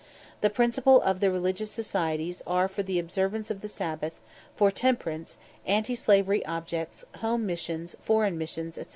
The principal of the religious societies are for the observance of the sabbath, for temperance, anti slavery objects, home missions, foreign missions, &c.